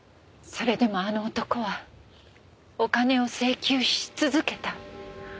それでもあの男はお金を請求し続けた。